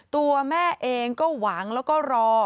ตัวแม่เองก็หวังแล้วก็รอ